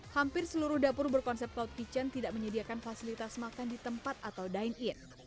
hampir seluruh dapur berkonsep cloud kitchen tidak menyediakan fasilitas makan di tempat atau dine in